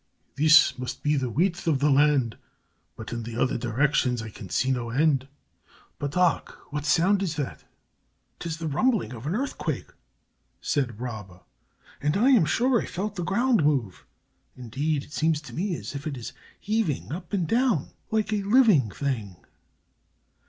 "This must be the width of the land, but in the other directions I can see no end. But hark! What sound is that?" "'Tis like the rumbling of an earthquake," said Rabba, "and I am sure I felt the ground move. Indeed, it seems to me as if it is heaving up and down, like a living thing."